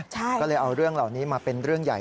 ก็เลยเอาเรื่องเหล่านี้มาเป็นเรื่องใหญ่